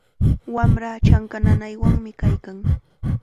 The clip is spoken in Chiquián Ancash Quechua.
Wamraa chanka nanaywanmi kaykan.